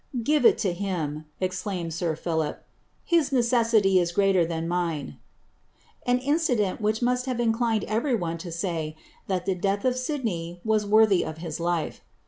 ''Give it to him," exclaimed sir Philip, ■■his necessity is greater than mine ;" an incident which must have inclined overy one to say, that the death of Sidney was worthy of his life.